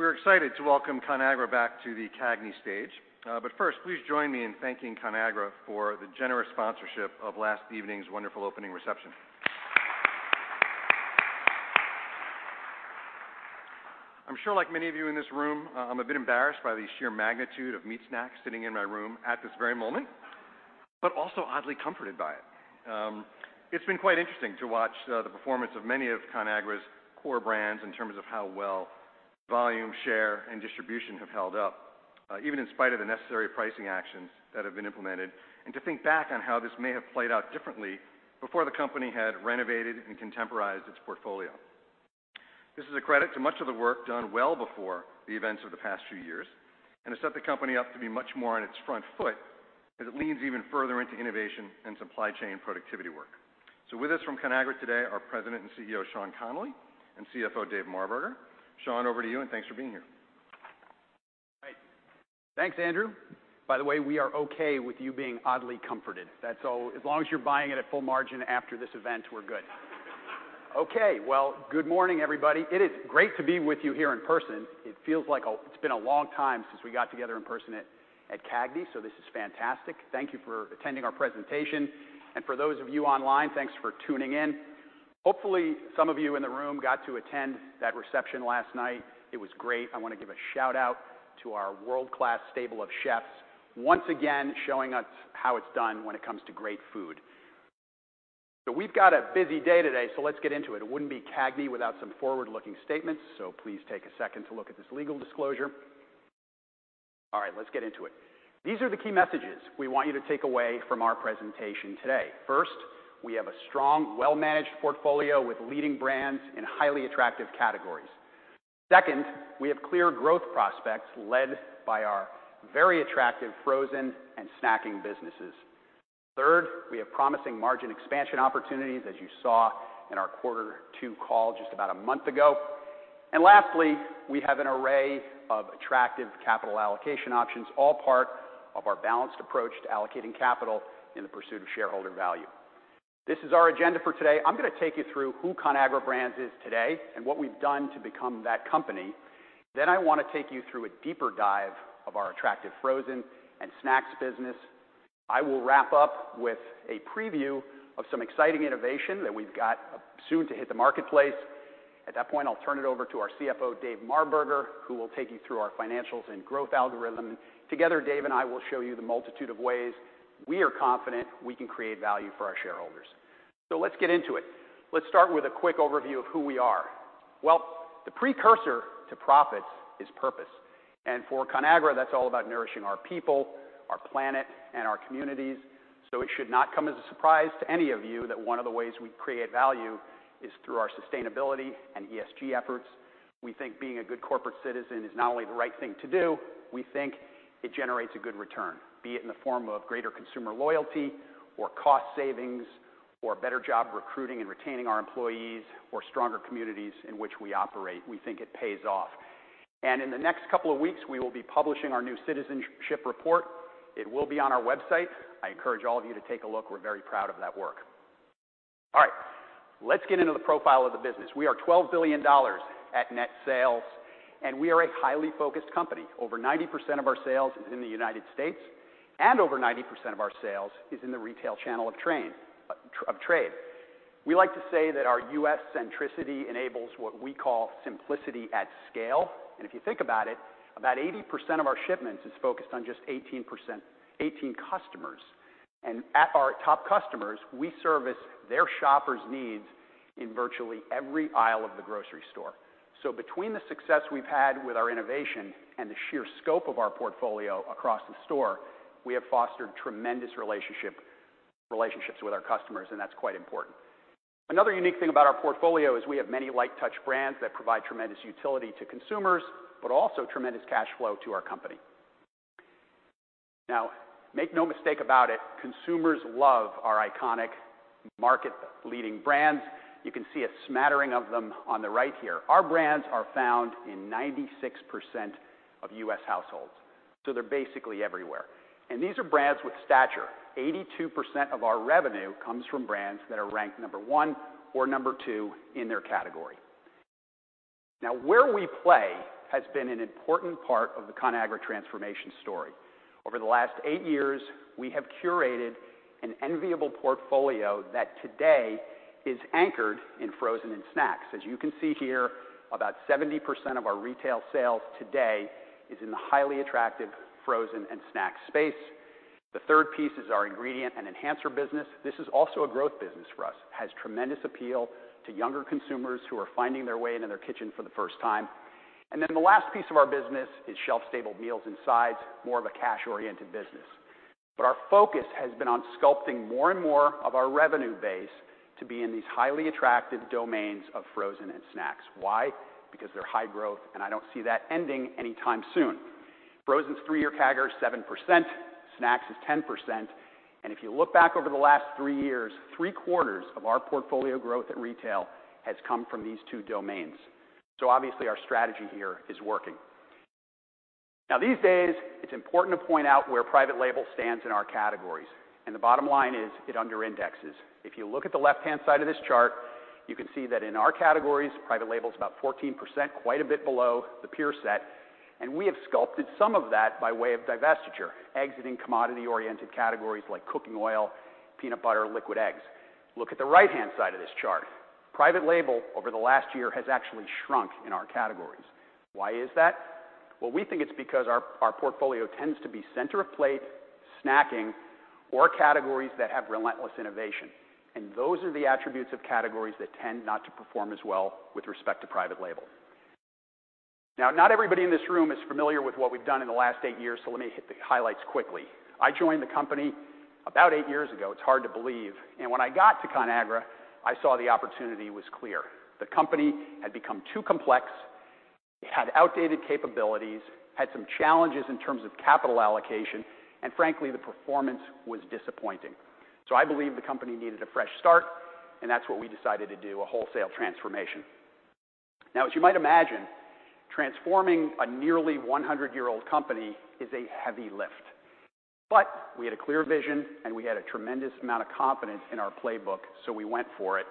We're excited to welcome Conagra back to the CAGNY stage. First, please join me in thanking Conagra for the generous sponsorship of last evening's wonderful opening reception. I'm sure like many of you in this room, I'm a bit embarrassed by the sheer magnitude of meat snacks sitting in my room at this very moment, but also oddly comforted by it. It's been quite interesting to watch, the performance of many of Conagra's core brands in terms of how well volume, share, and distribution have held up, even in spite of the necessary pricing actions that have been implemented, and to think back on how this may have played out differently before the company had renovated and contemporized its portfolio. This is a credit to much of the work done well before the events of the past few years and has set the company up to be much more on its front foot as it leans even further into innovation and supply chain productivity work. With us from Conagra today, our President and CEO, Sean Connolly, and CFO David Marberger. Sean, over to you, and thanks for being here. Right. Thanks, Andrew. By the way, we are okay with you being oddly comforted. That's all. As long as you're buying it at full margin after this event, we're good. Okay. Good morning, everybody. It is great to be with you here in person. It feels like it's been a long time since we got together in person at CAGNY, this is fantastic. Thank you for attending our presentation. For those of you online, thanks for tuning in. Hopefully, some of you in the room got to attend that reception last night. It was great. I wanna give a shout-out to our world-class stable of chefs, once again showing us how it's done when it comes to great food. We've got a busy day today, let's get into it. It wouldn't be CAGNY without some forward-looking statements, so please take a second to look at this legal disclosure. All right, let's get into it. These are the key messages we want you to take away from our presentation today. First, we have a strong, well-managed portfolio with leading brands in highly attractive categories. Second, we have clear growth prospects led by our very attractive frozen and snacking businesses. Third, we have promising margin expansion opportunities, as you saw in our quarter two call just about a month ago. Lastly, we have an array of attractive capital allocation options, all part of our balanced approach to allocating capital in the pursuit of shareholder value. This is our agenda for today. I'm gonna take you through who Conagra Brands is today and what we've done to become that company. I wanna take you through a deeper dive of our attractive frozen and snacks business. I will wrap up with a preview of some exciting innovation that we've got soon to hit the marketplace. At that point, I'll turn it over to our CFO, Dave Marberger, who will take you through our financials and growth algorithm. Together, Dave and I will show you the multitude of ways we are confident we can create value for our shareholders. Let's get into it. Let's start with a quick overview of who we are. Well, the precursor to profits is purpose. For Conagra, that's all about nourishing our people, our planet, and our communities, so it should not come as a surprise to any of you that one of the ways we create value is through our sustainability and ESG efforts. We think being a good corporate citizen is not only the right thing to do, we think it generates a good return. Be it in the form of greater consumer loyalty, or cost savings, or a better job recruiting and retaining our employees, or stronger communities in which we operate, we think it pays off. In the next couple of weeks, we will be publishing our new citizenship report. It will be on our website. I encourage all of you to take a look. We're very proud of that work. All right. Let's get into the profile of the business. We are $12 billion at net sales, and we are a highly focused company. Over 90% of our sales is in the United States, and over 90% of our sales is in the retail channel of trade. We like to say that our U.S. centricity enables what we call simplicity at scale. If you think about it, about 80% of our shipments is focused on just 18 customers. At our top customers, we service their shoppers' needs in virtually every aisle of the grocery store. Between the success we've had with our innovation and the sheer scope of our portfolio across the store, we have fostered tremendous relationships with our customers, and that's quite important. Another unique thing about our portfolio is we have many light touch brands that provide tremendous utility to consumers, but also tremendous cash flow to our company. Now, make no mistake about it, consumers love our iconic market leading brands. You can see a smattering of them on the right here. Our brands are found in 96% of U.S. households, they're basically everywhere. These are brands with stature. 82% of our revenue comes from brands that are ranked number one or number two in their category. Where we play has been an important part of the Conagra transformation story. Over the last eight years, we have curated an enviable portfolio that today is anchored in frozen and snacks. As you can see here, about 70% of our retail sales today is in the highly attractive frozen and snack space. The third piece is our ingredient and enhancer business. This is also a growth business for us. It has tremendous appeal to younger consumers who are finding their way into their kitchen for the first time. The last piece of our business is shelf-stable meals and sides, more of a cash-oriented business. Our focus has been on sculpting more and more of our revenue base to be in these highly attractive domains of frozen and snacks. Why? Because they're high growth, and I don't see that ending anytime soon. Frozen's three-year CAGR is 7%, snacks is 10%, and if you look back over the last three years, three-quarters of our portfolio growth at retail has come from these two domains. Obviously, our strategy here is working. Now these days, it's important to point out where private label stands in our categories, and the bottom line is it under indexes. If you look at the left-hand side of this chart, you can see that in our categories, private label is about 14%, quite a bit below the peer set, and we have sculpted some of that by way of divestiture, exiting commodity-oriented categories like cooking oil, peanut butter, liquid eggs. Look at the right-hand side of this chart. Private label over the last year has actually shrunk in our categories. Why is that? Well, we think it's because our portfolio tends to be center of plate, snacking, or categories that have relentless innovation. Those are the attributes of categories that tend not to perform as well with respect to private label. Not everybody in this room is familiar with what we've done in the last eight years, so let me hit the highlights quickly. I joined the company about eight years ago. It's hard to believe. When I got to Conagra, I saw the opportunity was clear. The company had become too complex. It had outdated capabilities, had some challenges in terms of capital allocation, and frankly, the performance was disappointing. I believe the company needed a fresh start, and that's what we decided to do, a wholesale transformation. As you might imagine, transforming a nearly 100-year-old company is a heavy lift. We had a clear vision, and we had a tremendous amount of confidence in our playbook, so we went for it.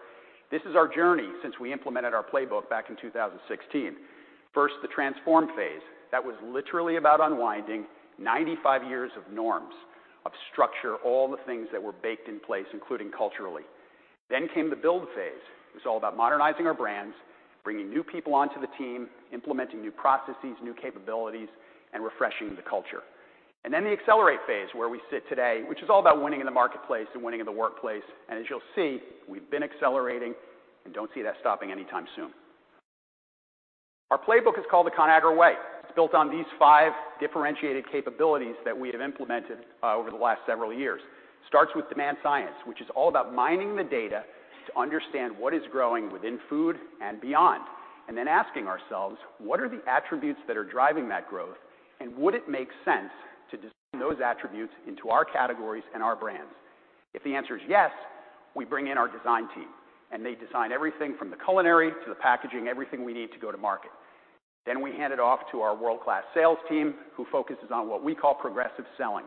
This is our journey since we implemented our playbook back in 2016. First, the transform phase. That was literally about unwinding 95 years of norms, of structure, all the things that were baked in place, including culturally. Came the build phase. It was all about modernizing our brands, bringing new people onto the team, implementing new processes, new capabilities, and refreshing the culture. The accelerate phase, where we sit today, which is all about winning in the marketplace and winning in the workplace. As you'll see, we've been accelerating and don't see that stopping anytime soon. Our playbook is called The Conagra Way. It's built on these five differentiated capabilities that we have implemented over the last several years. Starts with demand science, which is all about mining the data to understand what is growing within food and beyond, and then asking ourselves, what are the attributes that are driving that growth, and would it make sense to design those attributes into our categories and our brands? If the answer is yes, we bring in our design team, and they design everything from the culinary to the packaging, everything we need to go to market. We hand it off to our world-class sales team, who focuses on what we call progressive selling.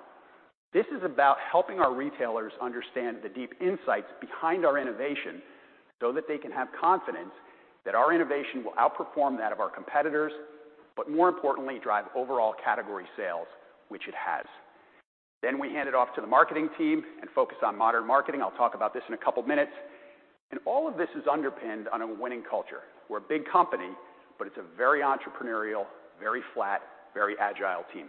This is about helping our retailers understand the deep insights behind our innovation so that they can have confidence that our innovation will outperform that of our competitors, but more importantly, drive overall category sales, which it has. We hand it off to the marketing team and focus on modern marketing. All of this is underpinned on a winning culture. We're a big company, but it's a very entrepreneurial, very flat, very agile team.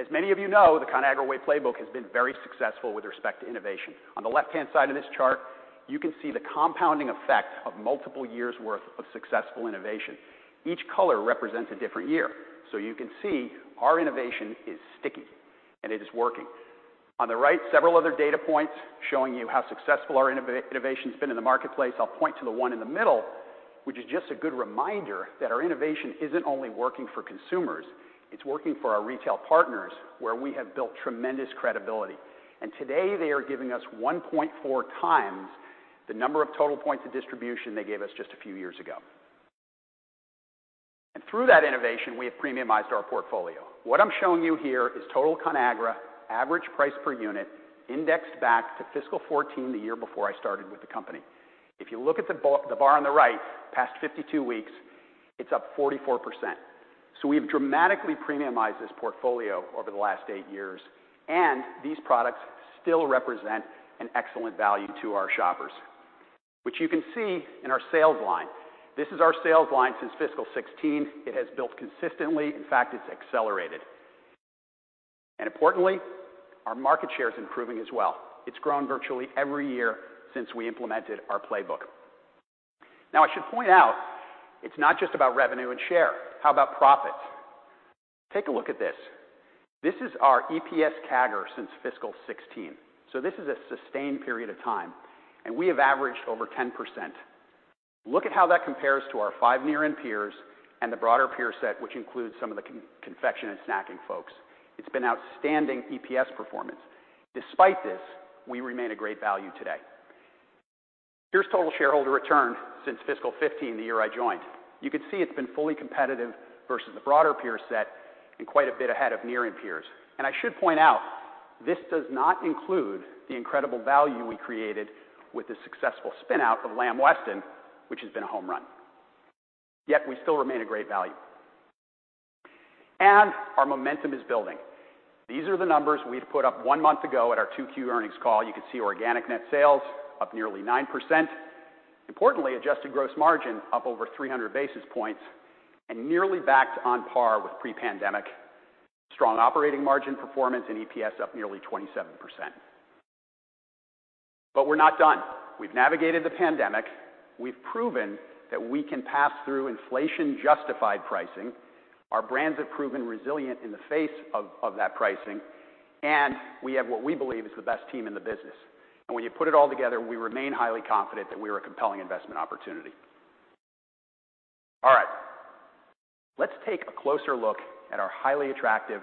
As many of you know, The Conagra Way playbook has been very successful with respect to innovation. On the left-hand side of this chart, you can see the compounding effect of multiple years' worth of successful innovation. Each color represents a different year. You can see our innovation is sticky, and it is working. On the right, several other data points showing you how successful our innovation's been in the marketplace. I'll point to the one in the middle, which is just a good reminder that our innovation isn't only working for consumers, it's working for our retail partners, where we have built tremendous credibility. Today they are giving us 1.4 times the number of total points of distribution they gave us just a few years ago. Through that innovation, we have premiumized our portfolio. What I'm showing you here is total Conagra average price per unit indexed back to fiscal 14, the year before I started with the company. If you look at the bar, the bar on the right, past 52 weeks, it's up 44%. We've dramatically premiumized this portfolio over the last eight years, and these products still represent an excellent value to our shoppers, which you can see in our sales line. This is our sales line since fiscal 16. It has built consistently. In fact, it's accelerated. Importantly, our market share is improving as well. It's grown virtually every year since we implemented our playbook. I should point out it's not just about revenue and share. How about profits? Take a look at this. This is our EPS CAGR since fiscal 16. This is a sustained period of time. We have averaged over 10%. Look at how that compares to our five near-end peers and the broader peer set, which includes some of the confection and snacking folks. It's been outstanding EPS performance. Despite this, we remain a great value today. Here's total shareholder return since fiscal 15, the year I joined. You can see it's been fully competitive versus the broader peer set and quite a bit ahead of near-end peers. I should point out this does not include the incredible value we created with the successful spin-out of Lamb Weston, which has been a home run. Yet we still remain a great value. Our momentum is building. These are the numbers we put up one month ago at our 2Q earnings call. You can see organic net sales up nearly 9%. Importantly, adjusted gross margin up over 300 basis points and nearly back on par with pre-pandemic. Strong operating margin performance and EPS up nearly 27%. We're not done. We've navigated the pandemic. We've proven that we can pass through inflation-justified pricing. Our brands have proven resilient in the face of that pricing, we have what we believe is the best team in the business. When you put it all together, we remain highly confident that we're a compelling investment opportunity. All right. Let's take a closer look at our highly attractive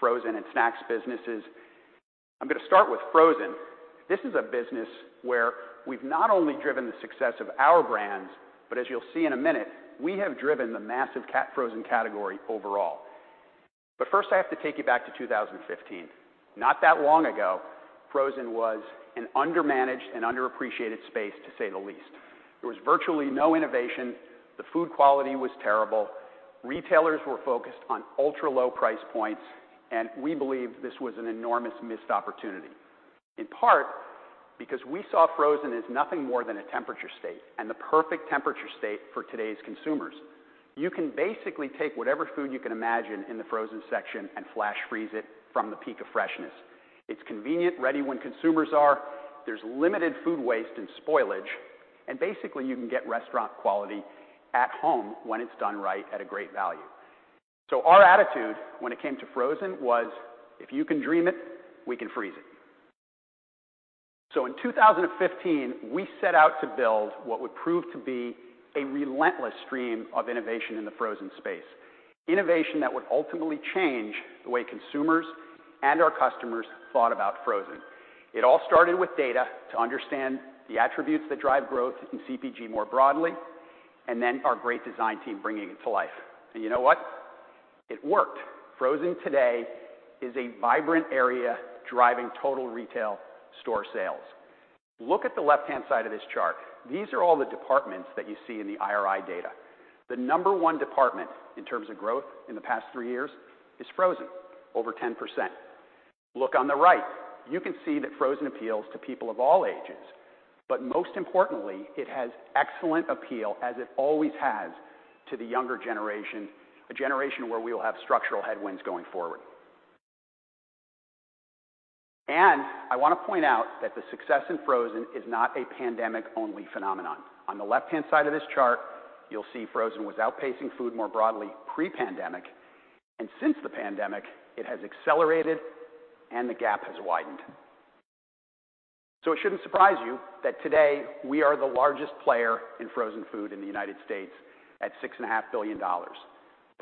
frozen and snacks businesses. I'm going to start with frozen. This is a business where we've not only driven the success of our brands, but as you'll see in a minute, we have driven the massive frozen category overall. First, I have to take you back to 2015. Not that long ago, frozen was an undermanaged and underappreciated space, to say the least. There was virtually no innovation. The food quality was terrible. Retailers were focused on ultra-low price points, and we believe this was an enormous missed opportunity, in part because we saw frozen as nothing more than a temperature state and the perfect temperature state for today's consumers. You can basically take whatever food you can imagine in the frozen section and flash freeze it from the peak of freshness. It's convenient, ready when consumers are. There's limited food waste and spoilage, and basically, you can get restaurant quality at home when it's done right at a great value. Our attitude when it came to frozen was, if you can dream it, we can freeze it. In 2015, we set out to build what would prove to be a relentless stream of innovation in the frozen space, innovation that would ultimately change the way consumers and our customers thought about frozen. It all started with data to understand the attributes that drive growth in CPG more broadly, then our great design team bringing it to life. You know what? It worked. Frozen today is a vibrant area driving total retail store sales. Look at the left-hand side of this chart. These are all the departments that you see in the IRI data. The number one department in terms of growth in the past three years is frozen, over 10%. Look on the right. You can see that frozen appeals to people of all ages, but most importantly, it has excellent appeal, as it always has, to the younger generation, a generation where we will have structural headwinds going forward. I want to point out that the success in frozen is not a pandemic-only phenomenon. On the left-hand side of this chart, you'll see frozen was outpacing food more broadly pre-pandemic, and since the pandemic, it has accelerated and the gap has widened. It shouldn't surprise you that today we are the largest player in frozen food in the United States at six and a half billion dollars.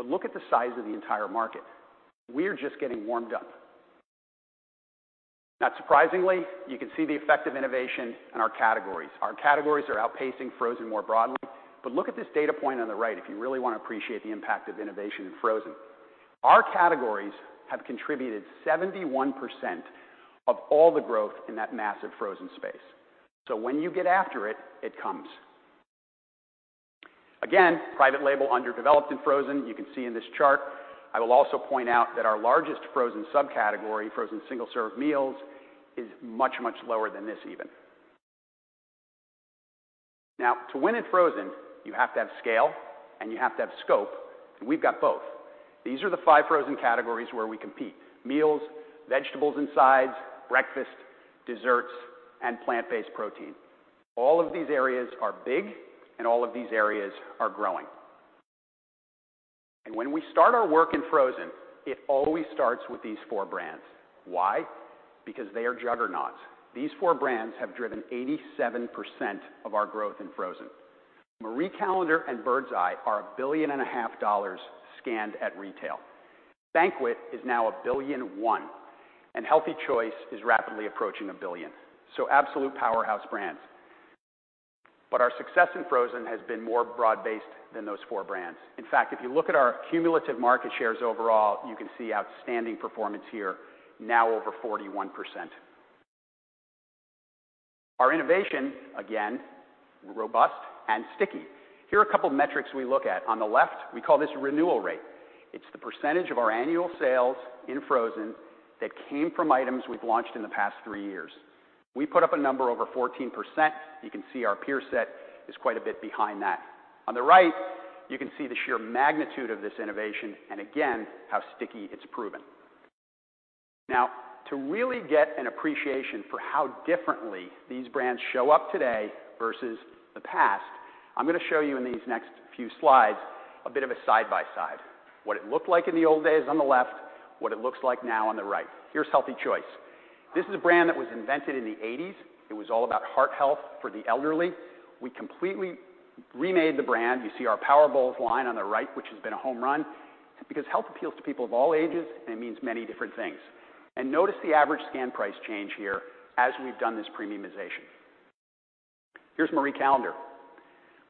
Look at the size of the entire market. We're just getting warmed up. Not surprisingly, you can see the effect of innovation in our categories. Our categories are outpacing frozen more broadly. Look at this data point on the right if you really want to appreciate the impact of innovation in frozen. Our categories have contributed 71% of all the growth in that massive frozen space. When you get after it comes. Private label underdeveloped in frozen, you can see in this chart. I will also point out that our largest frozen subcategory, frozen single-serve meals, is much, much lower than this even. Now, to win in frozen, you have to have scale and you have to have scope, and we've got both. These are the five frozen categories where we compete, meals, vegetables and sides, breakfast, desserts, and plant-based protein. All of these areas are big and all of these areas are growing. When we start our work in frozen, it always starts with these four brands. Why? Because they are juggernauts. These four brands have driven 87% of our growth in frozen. Marie Callender's and Birds Eye are a billion and a half dollars scanned at retail. Banquet is now $1.1 billion, and Healthy Choice is rapidly approaching $1 billion. Absolute powerhouse brands. Our success in frozen has been more broad-based than those four brands. In fact, if you look at our cumulative market shares overall, you can see outstanding performance here, now over 41%. Our innovation, again, robust and sticky. Here are a couple of metrics we look at. On the left, we call this renewal rate. It's the percentage of our annual sales in frozen that came from items we've launched in the past three years. We put up a number over 14%. You can see our peer set is quite a bit behind that. On the right, you can see the sheer magnitude of this innovation and again, how sticky it's proven. To really get an appreciation for how differently these brands show up today versus the past, I'm going to show you in these next few slides a bit of a side-by-side. What it looked like in the old days on the left, what it looks like now on the right. Here's Healthy Choice. This is a brand that was invented in the 1980s. It was all about heart health for the elderly. We completely remade the brand. You see our Healthy Choice Power Bowls line on the right, which has been a home run, because health appeals to people of all ages and it means many different things. Notice the average scan price change here as we've done this premiumization. Here's Marie Callender's.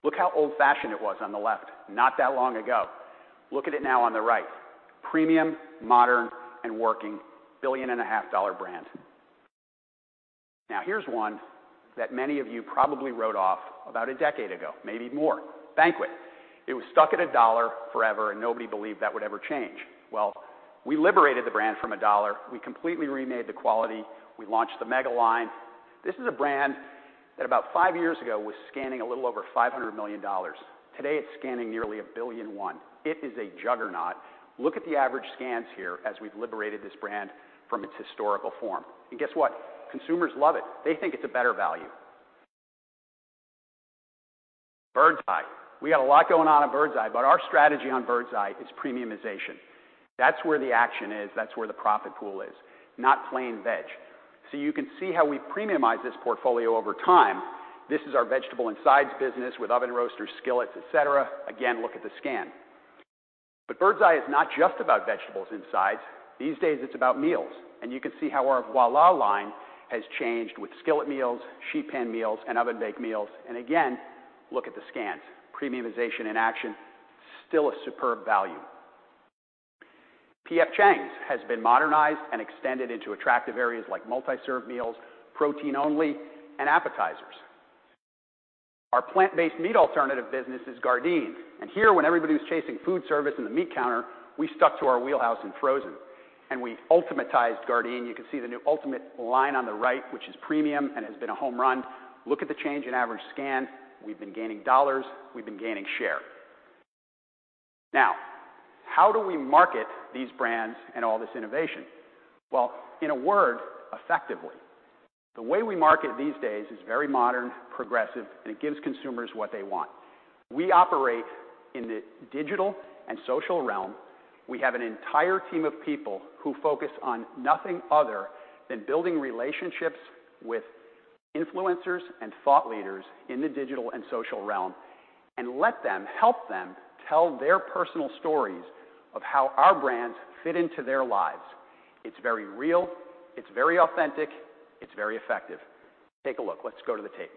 Look how old-fashioned it was on the left, not that long ago. Look at it now on the right. Premium, modern, and working $1.5 billion brand. Now, here's one that many of you probably wrote off about 10 years ago, maybe more. Banquet. It was stuck at $1 forever. Nobody believed that would ever change. We liberated the brand from $1. We completely remade the quality. We launched the Mega line. This is a brand that about 5 years ago was scanning a little over $500 million. Today, it's scanning nearly $1.1 billion. It is a juggernaut. Look at the average scans here as we've liberated this brand from its historical form. Guess what? Consumers love it. They think it's a better value. Birds Eye. We got a lot going on at Birds Eye, our strategy on Birds Eye is premiumization. That's where the action is. That's where the profit pool is, not plain veg. You can see how we've premiumized this portfolio over time. This is our vegetable and sides business with oven roasters, skillets, etc. Look at the scan. Birds Eye is not just about vegetables and sides. These days it's about meals, and you can see how our Voila! line has changed with skillet meals, sheet pan meals, and oven bake meals. Look at the scans. Premiumization in action, still a superb value. P.F. Chang's has been modernized and extended into attractive areas like multi-serve meals, protein only, and appetizers. Our plant-based meat alternative business is Gardein. Here, when everybody was chasing food service in the meat counter, we stuck to our wheelhouse in frozen and we ultimatized Gardein. You can see the new ultimate line on the right, which is premium and has been a home run. Look at the change in average scan. We've been gaining dollars, we've been gaining share. How do we market these brands and all this innovation? In a word, effectively. The way we market these days is very modern, progressive, and it gives consumers what they want. We operate in the digital and social realm. We have an entire team of people who focus on nothing other than building relationships with influencers and thought leaders in the digital and social realm and let them help them tell their personal stories of how our brands fit into their lives. It's very real, it's very authentic, it's very effective. Take a look. Let's go to the tape.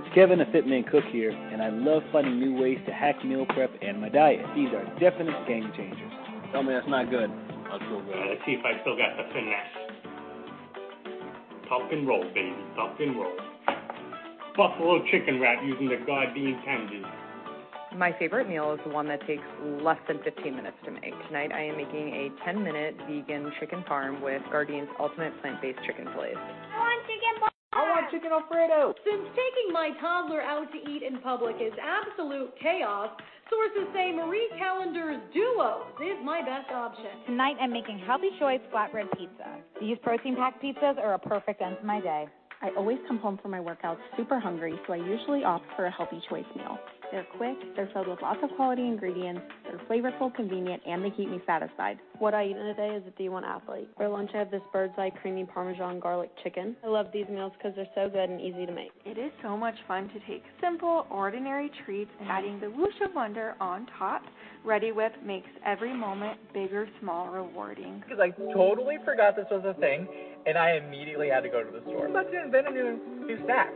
It's Kevin, the Fit Men Cook here, and I love finding new ways to hack meal prep and my diet. These are definite game changers. Tell me that's not good. That's so good. Let's see if I still got the finesse. Tuck and roll, baby. Tuck and roll. Buffalo chicken wrap using the Gardein tenders. My favorite meal is one that takes less than 15 minutes to make. Tonight I am making a 10-minute vegan chicken parm with Gardein's Ultimate plant-based chicken fillets. I want chicken parm. I want chicken Alfredo. Since taking my toddler out to eat in public is absolute chaos, sources say Marie Callender's duo is my best option. Tonight, I'm making Healthy Choice flatbread pizza. These protein-packed pizzas are a perfect end to my day. I always come home from my workouts super hungry, so I usually opt for a Healthy Choice meal. They're quick, they're filled with lots of quality ingredients, they're flavorful, convenient, and they keep me satisfied. What I eat in a day is a D1 athlete. For lunch, I have this Birds Eye creamy Parmesan garlic chicken. I love these meals because they're so good and easy to make. It is so much fun to take simple, ordinary treats and adding the whoosh of wonder on top. Reddi-wip makes every moment big or small rewarding. I totally forgot this was a thing and I immediately had to go to the store. About to invent a new snack.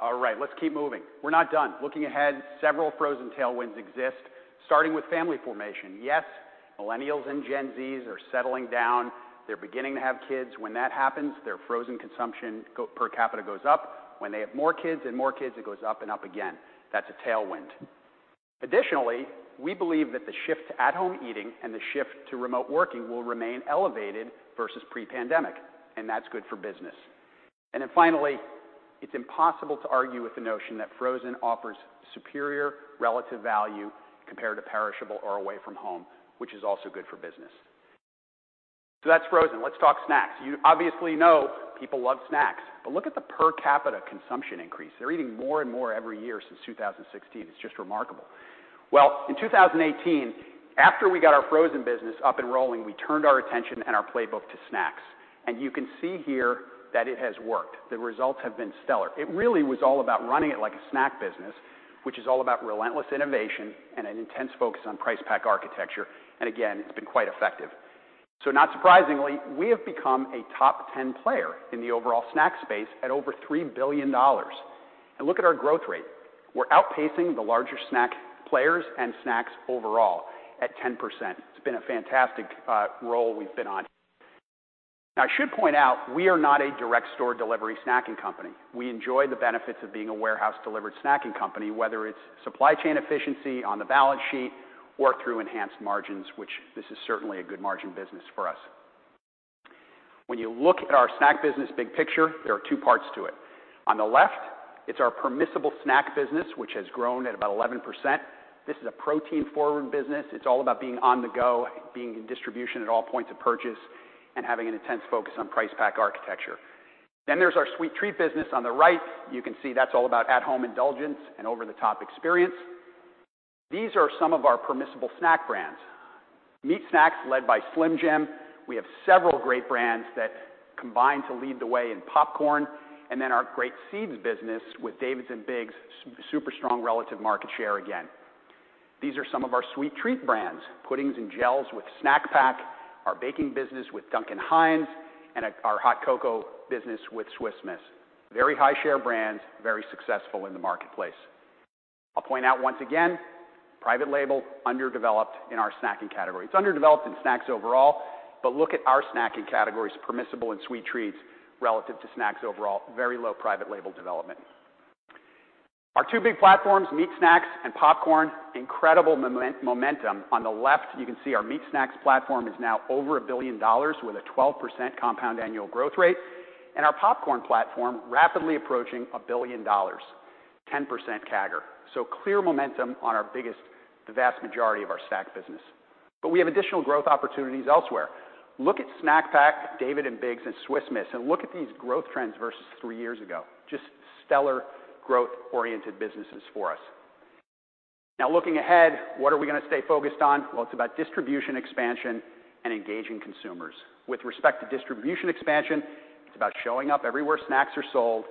All right, let's keep moving. We're not done. Looking ahead, several frozen tailwinds exist, starting with family formation. Yes, millennials and Gen Zs are settling down. They're beginning to have kids. When that happens, their frozen consumption per capita goes up. When they have more kids and more kids, it goes up and up again. That's a tailwind. We believe that the shift to at-home eating and the shift to remote working will remain elevated versus pre-pandemic, and that's good for business. Finally, it's impossible to argue with the notion that frozen offers superior relative value compared to perishable or away from home, which is also good for business. That's frozen. Let's talk snacks. You obviously know people love snacks, look at the per capita consumption increase. They're eating more and more every year since 2016. It's just remarkable. Well, in 2018, after we got our frozen business up and rolling, we turned our attention and our playbook to snacks. You can see here that it has worked. The results have been stellar. It really was all about running it like a snack business, which is all about relentless innovation and an intense focus on price pack architecture. Again, it's been quite effective. Not surprisingly, we have become a top 10 player in the overall snack space at over $3 billion. Look at our growth rate. We're outpacing the larger snack players and snacks overall at 10%. It's been a fantastic roll we've been on. Now, I should point out we are not a direct store delivery snacking company. We enjoy the benefits of being a warehouse delivered snacking company, whether it's supply chain efficiency on the balance sheet or through enhanced margins, which this is certainly a good margin business for us. When you look at our snack business big picture, there are two parts to it. On the left, it's our permissible snack business, which has grown at about 11%. This is a protein-forward business. It's all about being on the go, being in distribution at all points of purchase, and having an intense focus on price pack architecture. There's our sweet treat business on the right. You can see that's all about at-home indulgence and over-the-top experience. These are some of our permissible snack brands. Meat snacks led by Slim Jim. We have several great brands that combine to lead the way in popcorn and then our great seeds business with David's and BIGS super strong relative market share again. These are some of our sweet treat brands, puddings and gels with Snack Pack, our baking business with Duncan Hines, and our hot cocoa business with Swiss Miss. Very high share brands, very successful in the marketplace. I'll point out once again, private label underdeveloped in our snacking category. It's underdeveloped in snacks overall. Look at our snacking categories, permissible and sweet treats relative to snacks overall, very low private label development. Our two big platforms, meat snacks and popcorn, incredible momentum. On the left, you can see our meat snacks platform is now over $1 billion with a 12% compound annual growth rate. Our popcorn platform rapidly approaching $1 billion, 10% CAGR. Clear momentum on our BIGS, the vast majority of our snack business. We have additional growth opportunities elsewhere. Look at Snack Pack, David and BIGS, and Swiss Miss, and look at these growth trends versus three years ago. Just stellar growth-oriented businesses for us. Looking ahead, what are we going to stay focused on? Well, it's about distribution expansion and engaging consumers. With respect to distribution expansion, it's about showing up everywhere snacks are sold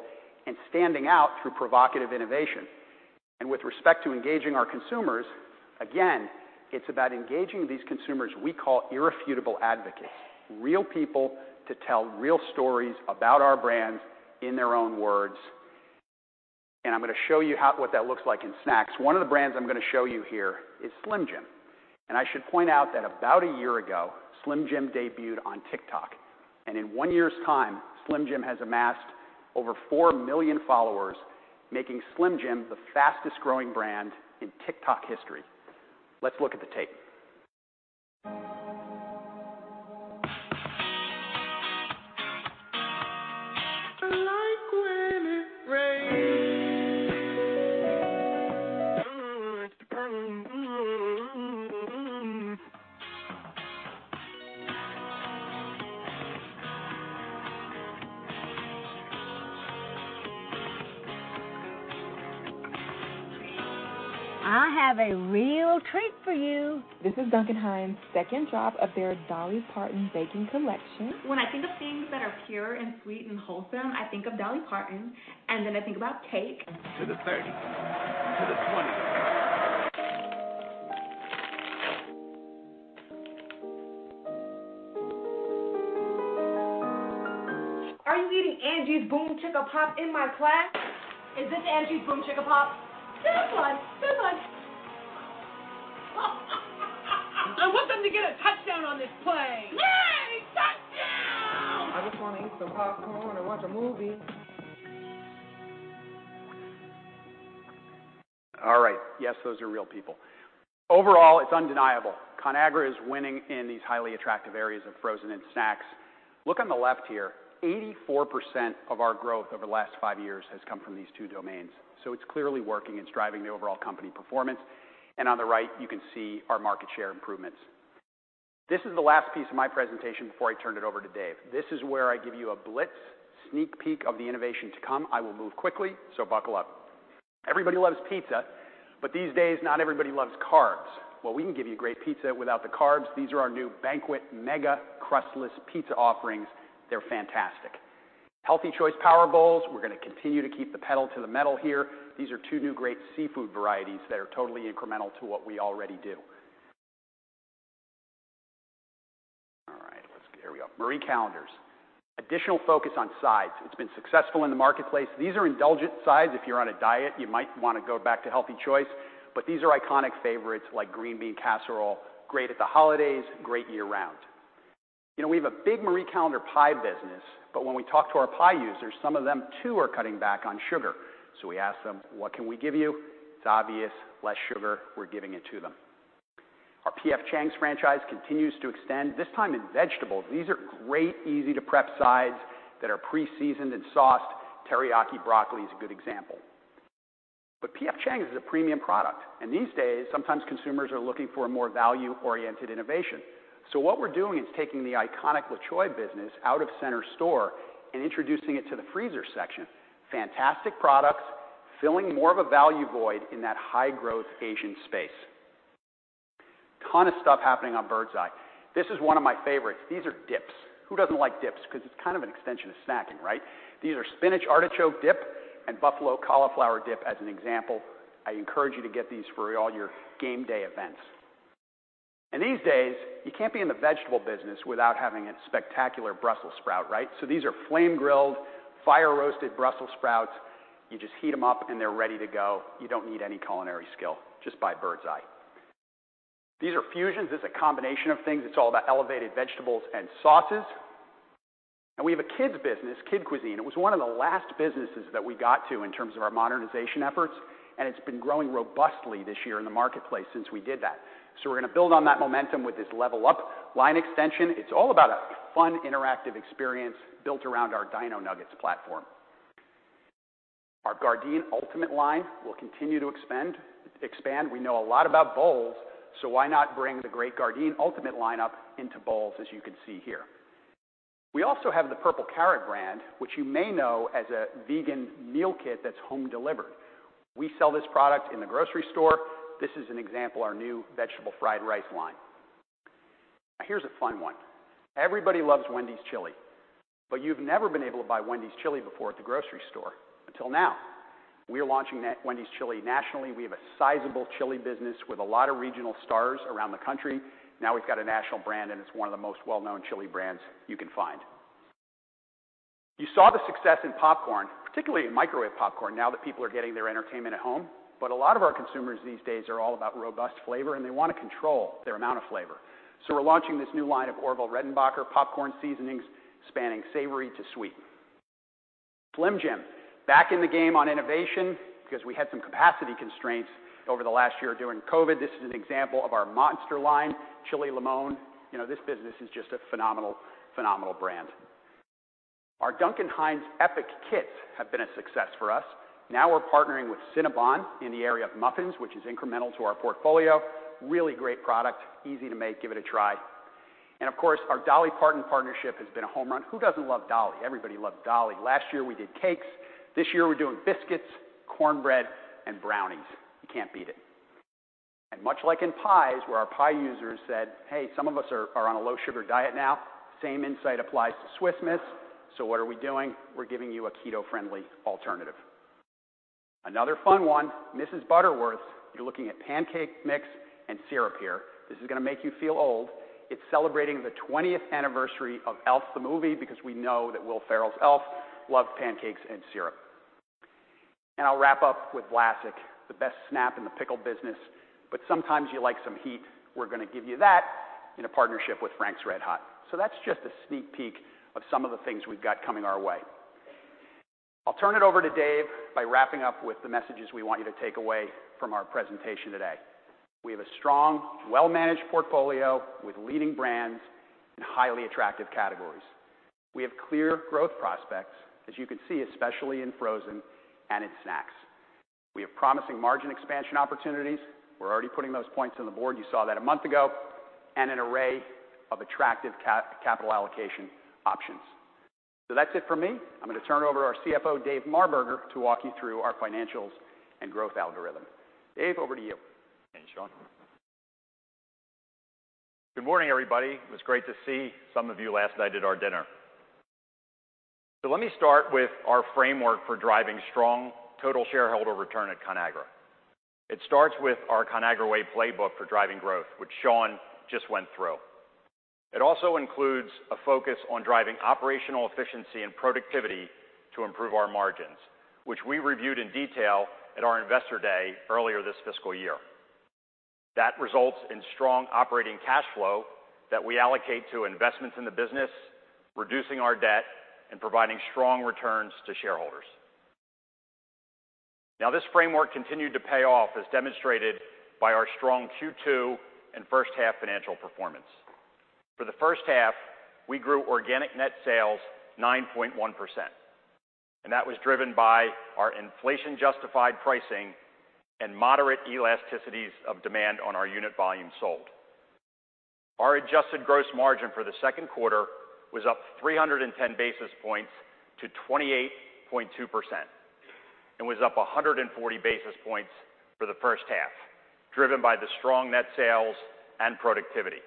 and standing out through provocative innovation. With respect to engaging our consumers, again, it's about engaging these consumers we call irrefutable advocates, real people to tell real stories about our brands in their own words. I'm going to show you what that looks like in snacks. One of the brands I'm going to show you here is Slim Jim. I should point out that about one year ago, Slim Jim debuted on TikTok. In one year's time, Slim Jim has amassed over 4 million followers, making Slim Jim the fastest-growing brand in TikTok history. Let's look at the tape. I like when it rains. I have a real treat for you. This is Duncan Hines' second drop of their Dolly Parton baking collection. When I think of things that are pure and sweet and wholesome, I think of Dolly Parton, and then I think about cake. To the thirty. To the twenty. Are you eating Angie's BOOMCHICKAPOP in my class? Is this Angie's BOOMCHICKAPOP? This one. This one. I want them to get a touchdown on this play. Yay, touchdown! I just want to eat some popcorn and watch a movie. All right. Yes, those are real people. Overall, it's undeniable. Conagra is winning in these highly attractive areas of frozen and snacks. Look on the left here. 84% of our growth over the last five years has come from these two domains. It's clearly working. It's driving the overall company performance. On the right, you can see our market share improvements. This is the last piece of my presentation before I turn it over to Dave. This is where I give you a blitz sneak peek of the innovation to come. I will move quickly, so buckle up. Everybody loves pizza, but these days, not everybody loves carbs. Well, we can give you great pizza without the carbs. These are our new Banquet MEGA Crustless Pizza offerings. They're fantastic. Healthy Choice Power Bowls, we're going to continue to keep the pedal to the metal here. These are two new great seafood varieties that are totally incremental to what we already do. All right, here we go. Marie Callender's. Additional focus on sides. It's been successful in the marketplace. These are indulgent sides. If you're on a diet, you might want to go back to Healthy Choice. These are iconic favorites like green bean casserole, great at the holidays, great year-round. You know, we have a big Marie Callender pie business, but when we talk to our pie users, some of them, too, are cutting back on sugar. We ask them, "What can we give you?" It's obvious, less sugar, we're giving it to them. Our P.F. Chang's franchise continues to extend, this time in vegetables. These are great easy to prep sides that are pre-seasoned and sauced. Teriyaki broccoli is a good example. P.F. Chang's is a premium product, and these days, sometimes consumers are looking for a more value-oriented innovation. What we're doing is taking the iconic La Choy business out of center store and introducing it to the freezer section. Fantastic products, filling more of a value void in that high-growth Asian space. Ton of stuff happening on Birds Eye. This is one of my favorites. These are dips. Who doesn't like dips? It's kind of an extension of snacking, right? These are spinach artichoke dip and buffalo cauliflower dip as an example. I encourage you to get these for all your game day events. These days, you can't be in the vegetable business without having a spectacular Brussels sprout, right? These are flame-grilled, fire-roasted Brussels sprouts. You just heat them up, and they're ready to go. You don't need any culinary skill, just buy Birds Eye. These are fusions. It's a combination of things. It's all about elevated vegetables and sauces. We have a kids business, Kid Cuisine. It was one of the last businesses that we got to in terms of our modernization efforts, and it's been growing robustly this year in the marketplace since we did that. We're going to build on that momentum with this Level Up line extension. It's all about a fun, interactive experience built around our Dino Nuggets platform. Our Gardein Ultimate line will continue to expand. We know a lot about bowls, so why not bring the great Gardein Ultimate lineup into bowls as you can see here. We also have the Purple Carrot brand, which you may know as a vegan meal kit that's home delivered. We sell this product in the grocery store. This is an example, our new vegetable fried rice line. Here's a fun one. Everybody loves Wendy's chili. You've never been able to buy Wendy's chili before at the grocery store until now. We are launching Wendy's chili nationally. We have a sizable chili business with a lot of regional stars around the country. We've got a national brand. It's one of the most well-known chili brands you can find. You saw the success in popcorn, particularly in microwave popcorn, now that people are getting their entertainment at home. A lot of our consumers these days are all about robust flavor. They want to control their amount of flavor. We're launching this new line of Orville Redenbacher's popcorn seasonings spanning savory to sweet. Slim Jim, back in the game on innovation because we had some capacity constraints over the last year during COVID. This is an example of our Monster line, Chili Limón. You know, this business is just a phenomenal brand. Our Duncan Hines EPIC Kits have been a success for us. Now we're partnering with Cinnabon in the area of muffins, which is incremental to our portfolio. Really great product, easy to make. Give it a try. Of course, our Dolly Parton partnership has been a home run. Who doesn't love Dolly? Everybody loves Dolly. Last year we did cakes. This year we're doing biscuits, cornbread, and brownies. You can't beat it. Much like in pies, where our pie users said, "Hey, some of us are on a low sugar diet now," same insight applies to Swiss Miss. What are we doing? We're giving you a keto-friendly alternative. Another fun one, Mrs. Butterworth's. You're looking at pancake mix and syrup here. This is gonna make you feel old. It's celebrating the 20th anniversary of Elf, the movie, because we know that Will Ferrell's Elf loved pancakes and syrup. I'll wrap up with Vlasic, the best snap in the pickle business. Sometimes you like some heat. We're gonna give you that in a partnership with Frank's RedHot. That's just a sneak peek of some of the things we've got coming our way. I'll turn it over to Dave by wrapping up with the messages we want you to take away from our presentation today. We have a strong, well-managed portfolio with leading brands in highly attractive categories. We have clear growth prospects, as you can see, especially in frozen and in snacks. We have promising margin expansion opportunities. We're already putting those points on the board. You saw that a month ago. An array of attractive capital allocation options. That's it for me. I'm gonna turn it over to our CFO, David Marberger, to walk you through our financials and growth algorithm. Dave, over to you. Thanks, Sean. Good morning, everybody. It was great to see some of you last night at our dinner. Let me start with our framework for driving strong total shareholder return at Conagra. It starts with our Conagra Way playbook for driving growth, which Sean just went through. It also includes a focus on driving operational efficiency and productivity to improve our margins, which we reviewed in detail at our Investor Day earlier this fiscal year. That results in strong operating cash flow that we allocate to investments in the business, reducing our debt, and providing strong returns to shareholders. This framework continued to pay off, as demonstrated by our strong Q2 and first half financial performance. For the first half, we grew organic net sales 9.1%, and that was driven by our inflation-justified pricing and moderate elasticities of demand on our unit volume sold. Our adjusted gross margin for the Q2 was up 310 basis points to 28.2% and was up 140 basis points for the first half, driven by the strong net sales and productivity.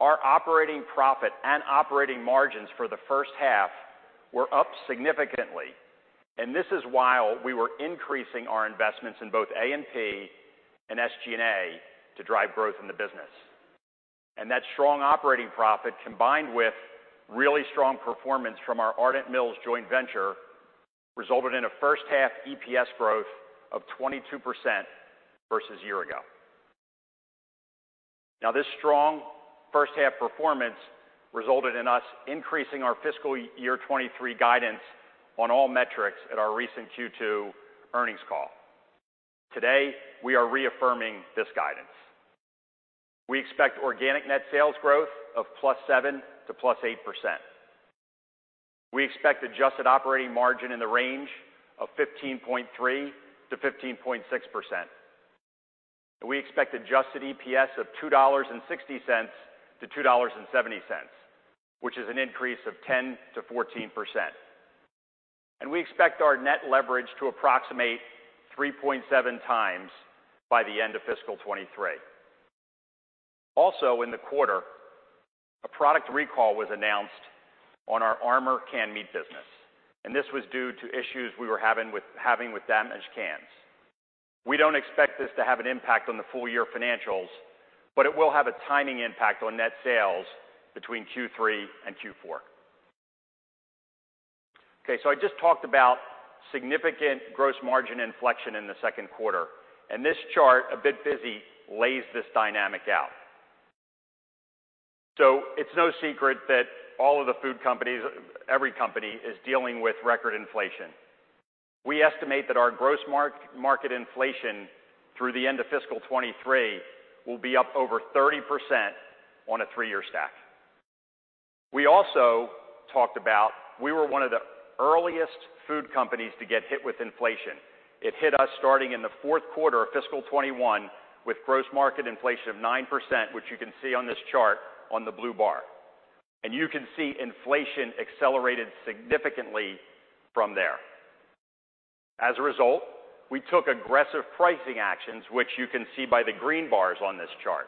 Our operating profit and operating margins for the first half were up significantly, this is while we were increasing our investments in both A&P and SG&A to drive growth in the business. That strong operating profit, combined with really strong performance from our Ardent Mills joint venture, resulted in a H1 EPS growth of 22% versus year ago. This strong first half performance resulted in us increasing our fiscal year 2023 guidance on all metrics at our recent Q2 earnings call. Today, we are reaffirming this guidance. We expect organic net sales growth of +7% to +8%. We expect adjusted operating margin in the range of 15.3% to 15.6%. We expect adjusted EPS of $2.60 to $2.70, which is an increase of 10% to 14%. We expect our net leverage to approximate 3.7x by the end of fiscal 2023. In the quarter, a product recall was announced on our Armour canned meat business, and this was due to issues we were having with damaged cans. We don't expect this to have an impact on the full year financials, but it will have a timing impact on net sales between Q3 and Q4. I just talked about significant gross margin inflection in the Q2. This chart, a bit busy, lays this dynamic out. It's no secret that all of the food companies, every company is dealing with record inflation. We estimate that our gross market inflation through the end of fiscal 2023 will be up over 30% on a three-year stack. We also talked about we were one of the earliest food companies to get hit with inflation. It hit us starting in the Q4 of fiscal 2021 with gross market inflation of 9%, which you can see on this chart on the blue bar. You can see inflation accelerated significantly from there. As a result, we took aggressive pricing actions, which you can see by the green bars on this chart.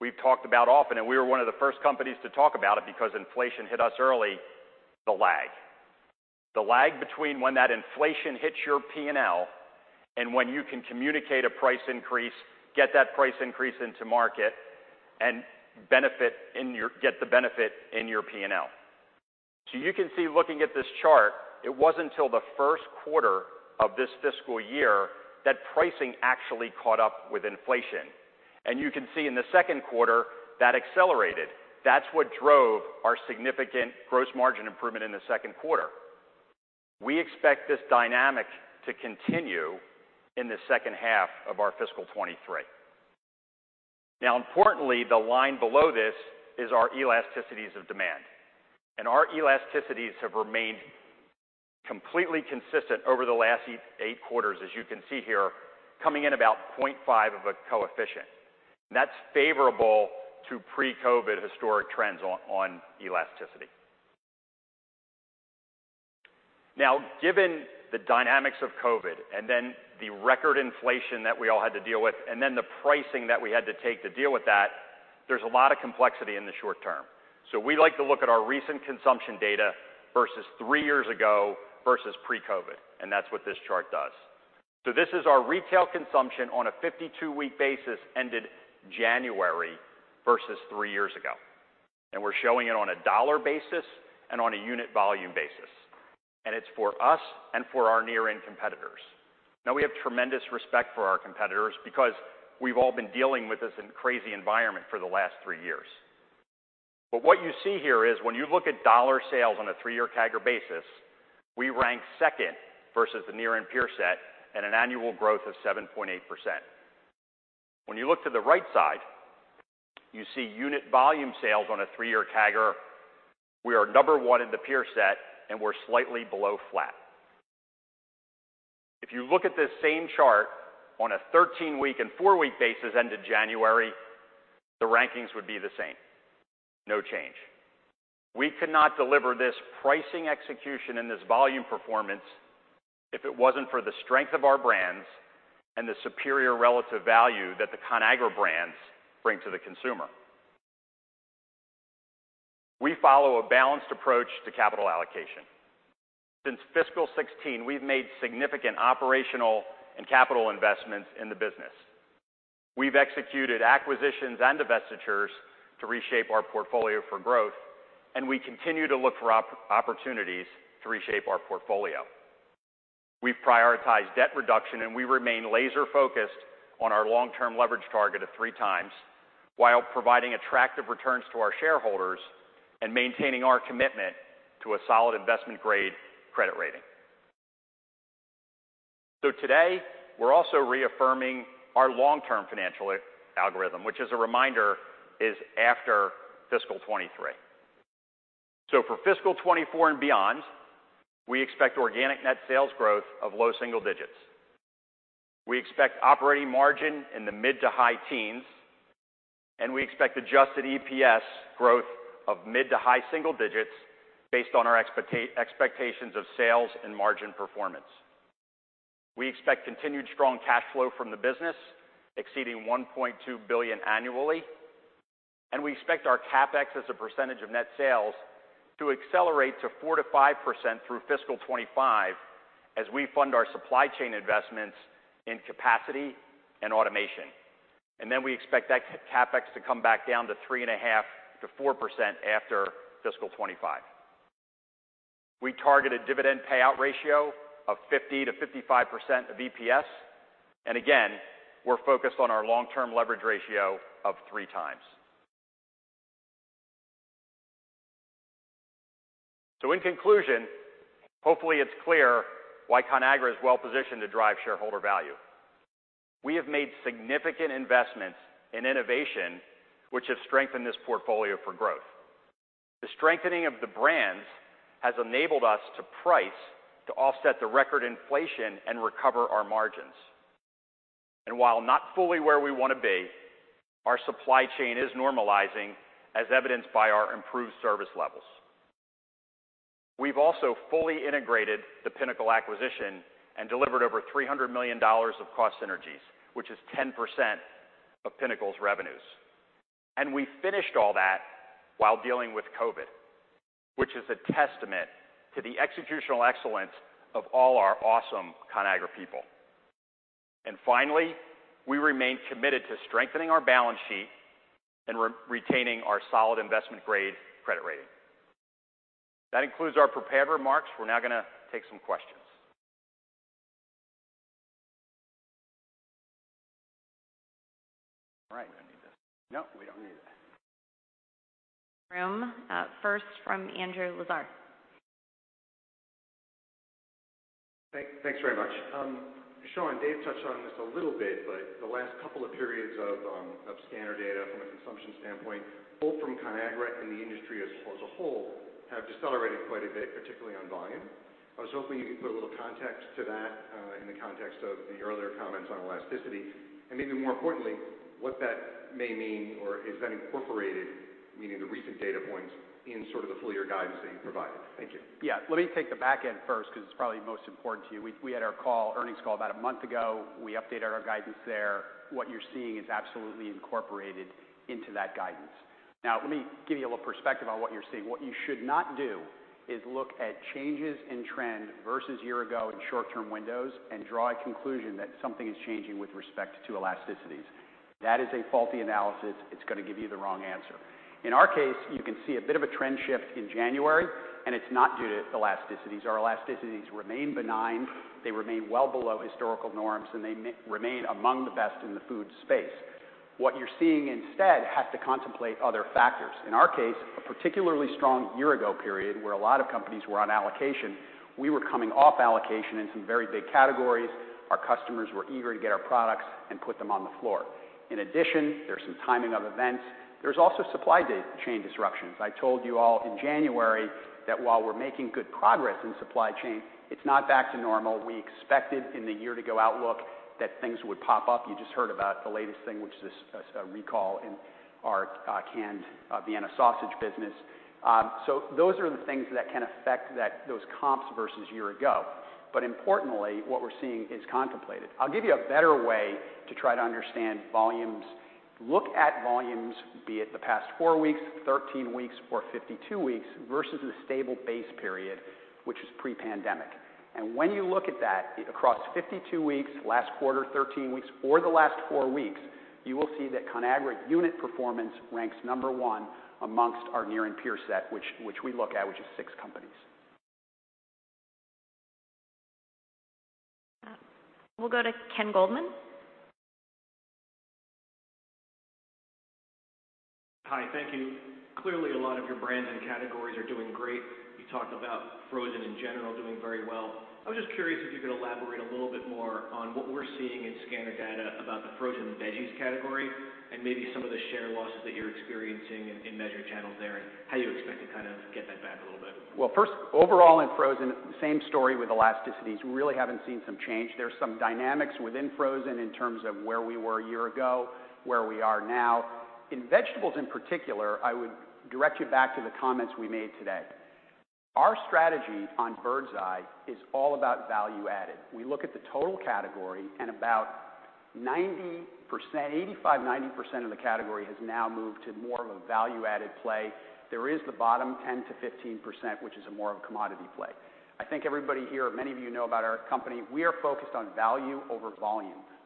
We've talked about often, and we were one of the first companies to talk about it because inflation hit us early, the lag. The lag between when that inflation hits your P&L and when you can communicate a price increase, get that price increase into market, and get the benefit in your P&L. You can see looking at this chart, it wasn't till the Q1 of this fiscal year that pricing actually caught up with inflation. You can see in the Q2 that accelerated. That's what drove our significant gross margin improvement in the Q2. We expect this dynamic to continue in the H2 of our fiscal 2023. Importantly, the line below this is our elasticities of demand, and our elasticities have remained completely consistent over the last eight quarters, as you can see here, coming in about 0.5 of a coefficient. That's favorable to pre-COVID historic trends on elasticity. Given the dynamics of COVID, the record inflation that we all had to deal with, the pricing that we had to take to deal with that, there's a lot of complexity in the short term. We like to look at our recent consumption data versus three years ago versus pre-COVID, and that's what this chart does. This is our retail consumption on a 52-week basis ended January versus three years ago. We're showing it on a dollar basis and on a unit volume basis. It's for us and for our near-end competitors. We have tremendous respect for our competitors because we've all been dealing with this in crazy environment for the last three years. What you see here is when you look at dollar sales on a three-year CAGR basis, we rank second versus the near and peer set at an annual growth of 7.8%. When you look to the right side, you see unit volume sales on a three-year CAGR. We are number one in the peer set, and we're slightly below flat. If you look at this same chart on a 13-week and four-week basis ended January, the rankings would be the same. No change. We could not deliver this pricing execution and this volume performance if it wasn't for the strength of our brands and the superior relative value that the Conagra Brands bring to the consumer. We follow a balanced approach to capital allocation. Since fiscal 2016, we've made significant operational and capital investments in the business. We've executed acquisitions and divestitures to reshape our portfolio for growth, and we continue to look for opportunities to reshape our portfolio. We prioritize debt reduction, and we remain laser-focused on our long-term leverage target of 3x while providing attractive returns to our shareholders and maintaining our commitment to a solid investment grade credit rating. Today, we're also reaffirming our long-term financial algorithm, which as a reminder, is after fiscal 2023. For fiscal 2024 and beyond, we expect organic net sales growth of low single digits. We expect operating margin in the mid to high teens, and we expect adjusted EPS growth of mid to high single digits based on our expectations of sales and margin performance. We expect continued strong cash flow from the business exceeding $1.2 billion annually. We expect our CapEx as a percentage of net sales to accelerate to 4% to 5% through fiscal 2025 as we fund our supply chain investments in capacity and automation. We expect that CapEx to come back down to 3.5% to 4% after fiscal 2025. We target a dividend payout ratio of 50%-55% of EPS. We're focused on our long-term leverage ratio of 3x. In conclusion, hopefully it's clear why Conagra is well positioned to drive shareholder value. We have made significant investments in innovation which have strengthened this portfolio for growth. The strengthening of the brands has enabled us to price to offset the record inflation and recover our margins. While not fully where we wanna be, our supply chain is normalizing as evidenced by our improved service levels. We've also fully integrated the Pinnacle acquisition and delivered over $300 million of cost synergies, which is 10% of Pinnacle's revenues. We finished all that while dealing with COVID, which is a testament to the executional excellence of all our awesome Conagra people. Finally, we remain committed to strengthening our balance sheet and retaining our solid investment grade credit rating. That includes our prepared remarks. We're now gonna take some questions. All right. Do I need this? No, we don't need it. Room, first from Andrew Lazar. Thanks very much. Sean, Dave touched on this a little bit, but the last couple of periods of scanner data from a consumption standpoint, both from Conagra and the industry as a whole, have decelerated quite a bit, particularly on volume. I was hoping you could put a little context to that in the context of your earlier comments on elasticity. Maybe more importantly, what that may mean or is that incorporated, meaning the recent data points in sort of the full year guidance that you provided. Thank you. Yeah. Let me take the back end first because it's probably most important to you. We had our call, earnings call about a month ago. We updated our guidance there. What you're seeing is absolutely incorporated into that guidance. Now, let me give you a little perspective on what you're seeing. What you should not do is look at changes in trend versus year ago in short-term windows and draw a conclusion that something is changing with respect to elasticities. That is a faulty analysis. It's gonna give you the wrong answer. In our case, you can see a bit of a trend shift in January, and it's not due to elasticities. Our elasticities remain benign, they remain well below historical norms, and they remain among the best in the food space. What you're seeing instead has to contemplate other factors. In our case, a particularly strong year ago period where a lot of companies were on allocation. We were coming off allocation in some very big categories. Our customers were eager to get our products and put them on the floor. In addition, there's some timing of events. There's also supply chain disruptions. I told you all in January that while we're making good progress in supply chain, it's not back to normal. We expected in the year to go outlook that things would pop up. You just heard about the latest thing, which is a recall in our canned Vienna sausage business. Those are the things that can affect that, those comps versus year ago. Importantly, what we're seeing is contemplated. I'll give you a better way to try to understand volumes. Look at volumes, be it the past four weeks, 13 weeks or 52 weeks versus a stable base period, which is pre-pandemic. When you look at that across 52 weeks, last quarter, 13 weeks or the last four weeks, you will see that Conagra unit performance ranks number one amongst our near and peer set, which we look at, which is six companies. We'll go to Ken Goldman. Hi, thank you. Clearly, a lot of your brands and categories are doing great. You talked about frozen in general doing very well. I was just curious if you could elaborate a little bit more on what we're seeing in scanner data about the frozen veggies category and maybe some of the share losses that you're experiencing in measured channels there, and how you expect to kind of get that back a little bit? Well, first, overall in frozen, same story with elasticities. We really haven't seen some change. There's some dynamics within frozen in terms of where we were a year ago, where we are now. In vegetables in particular, I would direct you back to the comments we made today. Our strategy on Birds Eye is all about value added. We look at the total category and about 85%, 90% of the category has now moved to more of a value-added play. There is the bottom 10% to 5%, which is a more of a commodity play. I think everybody here, many of you know about our company, we are focused on value over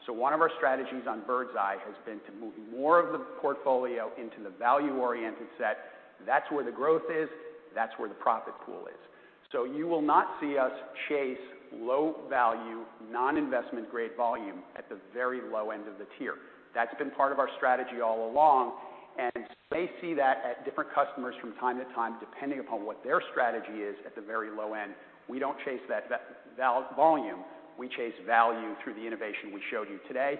volume. One of our strategies on Birds Eye has been to move more of the portfolio into the value-oriented set. That's where the growth is, that's where the profit pool is. You will not see us chase low value, non-investment grade volume at the very low end of the tier. That's been part of our strategy all along. You may see that at different customers from time to time, depending upon what their strategy is at the very low end. We don't chase that volume, we chase value through the innovation we showed you today.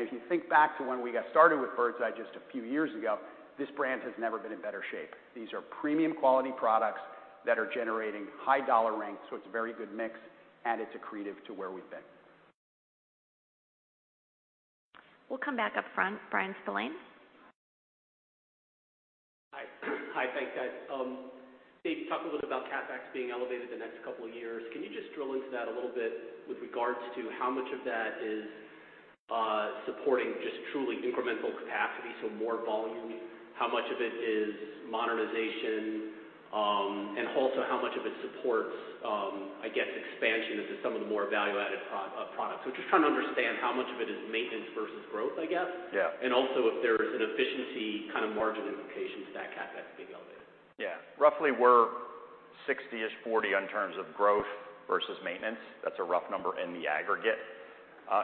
If you think back to when we got started with Birds Eye just a few years ago, this brand has never been in better shape. These are premium quality products that are generating high dollar ranks, so it's a very good mix, and it's accretive to where we've been. We'll come back up front. Bryan Spillane. Hi. Thanks, guys. Dave, you talked a little about CapEx being elevated the next couple of years. Can you just drill into that a little bit with regards to how much of that is supporting just truly incremental capacity, so more volume? How much of it is modernization? Also how much of it supports, I guess, expansion into some of the more value-added products. Just trying to understand how much of it is maintenance versus growth, I guess. Yeah. Also if there is an efficiency kind of margin implications to that CapEx being elevated. Yeah. Roughly we're 60-ish 40 in terms of growth versus maintenance. That's a rough number in the aggregate.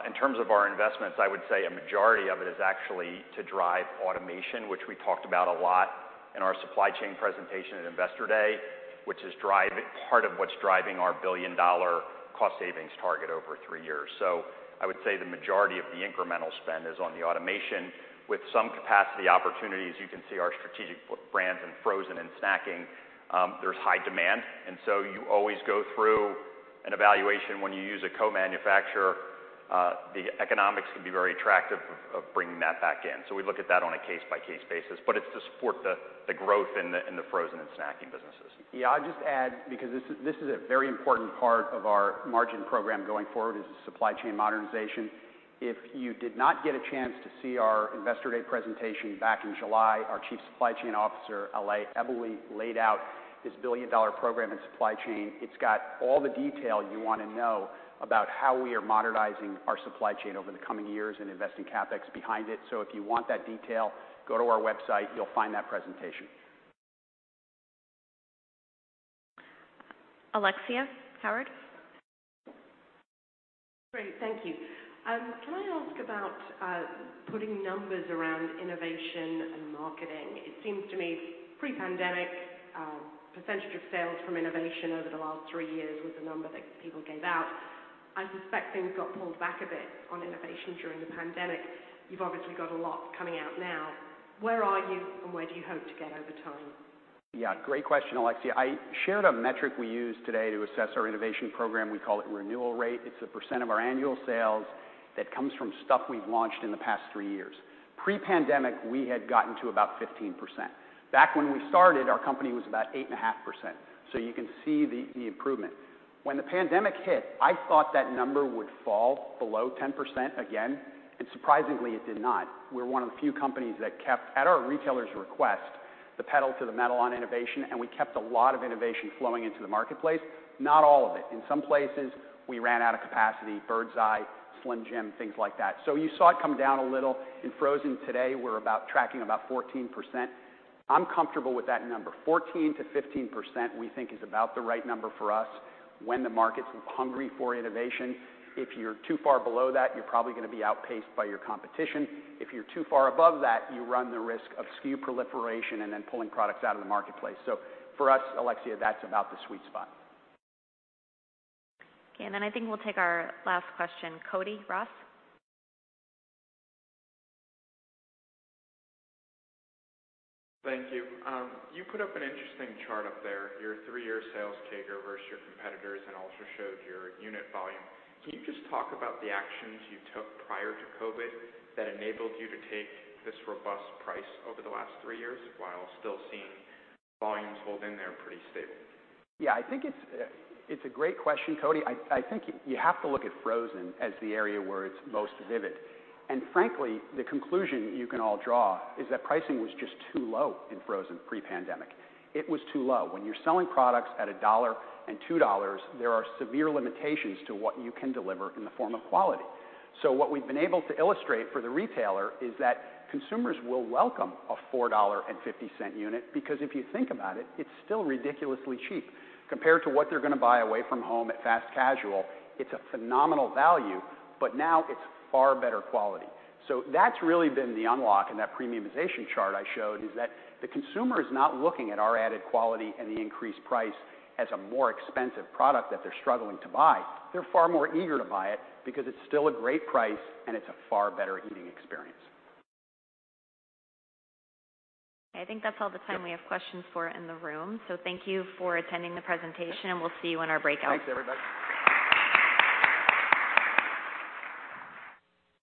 In terms of our investments, I would say a majority of it is actually to drive automation, which we talked about a lot in our supply chain presentation at Investor Day, which is part of what's driving our billion-dollar cost savings target over three years. I would say the majority of the incremental spend is on the automation with some capacity opportunities. You can see our strategic brands in frozen and snacking, there's high demand, you always go through an evaluation when you use a co-manufacturer, the economics can be very attractive of bringing that back in. We look at that on a case-by-case basis, but it's to support the growth in the frozen and snacking businesses. Yeah. I'll just add, because this is a very important part of our margin program going forward, is the supply chain modernization. If you did not get a chance to see our Investor Day presentation back in July, our Chief Supply Chain Officer, Alexandre Eboli, laid out this $1 billion program in supply chain. It's got all the detail you wanna know about how we are modernizing our supply chain over the coming years and investing CapEx behind it. If you want that detail, go to our website, you'll find that presentation. Alexia Howard. Great. Thank you. Can I ask about putting numbers around innovation and marketing? It seems to me pre-pandemic, percentage of sales from innovation over the last three years was the number that people gave out. I'm suspecting we got pulled back a bit on innovation during the pandemic. You've obviously got a lot coming out now. Where are you and where do you hope to get over time? Yeah. Great question, Alexia. I shared a metric we used today to assess our innovation program. We call it renewal rate. It's a percent of our annual sales that comes from stuff we've launched in the past three years. Pre-pandemic, we had gotten to about 15%. Back when we started, our company was about 8.5%, so you can see the improvement. When the pandemic hit, I thought that number would fall below 10% again. Surprisingly, it did not. We're one of the few companies that kept, at our retailers' request, the pedal to the metal on innovation, and we kept a lot of innovation flowing into the marketplace. Not all of it. In some places, we ran out of capacity, Birds Eye, Slim Jim, things like that. You saw it come down a little. In frozen today, we're about tracking about 14%. I'm comfortable with that number. 14% to 15%, we think is about the right number for us when the market's hungry for innovation. If you're too far below that, you're probably gonna be outpaced by your competition. If you're too far above that, you run the risk of SKU proliferation and then pulling products out of the marketplace. For us, Alexia, that's about the sweet spot. Okay. I think we'll take our last question, Cody Ross. Thank you. You put up an interesting chart up there, your three-year sales CAGR versus your competitors, and also showed your unit volume. Can you just talk about the actions you took prior to COVID that enabled you to take this robust price over the last three years while still seeing volumes hold in there pretty stable? Yeah, I think it's a great question, Cody. I think you have to look at frozen as the area where it's most vivid. Frankly, the conclusion you can all draw is that pricing was just too low in frozen pre-pandemic. It was too low. When you're selling products at $1 and $2, there are severe limitations to what you can deliver in the form of quality. What we've been able to illustrate for the retailer is that consumers will welcome a $4.50 unit because if you think about it's still ridiculously cheap. Compared to what they're gonna buy away from home at fast casual, it's a phenomenal value, but now it's far better quality. That's really been the unlock in that premiumization chart I showed, is that the consumer is not looking at our added quality and the increased price as a more expensive product that they're struggling to buy. They're far more eager to buy it because it's still a great price and it's a far better eating experience. I think that's all the time we have questions for in the room. Thank you for attending the presentation, and we'll see you in our breakout. Thanks, everybody.